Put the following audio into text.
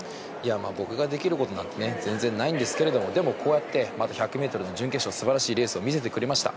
僕ができることなんて全然ないですがでも、こうやってまた１００ｍの準決勝、素晴らしいレースを見せてくれました。